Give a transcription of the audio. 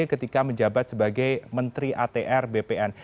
ketika menjabat sebagai menteri atr bpn